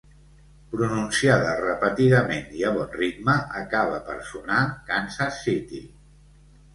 Pronunciada repetidament i a bon ritme, acaba per sonar «Kansas City».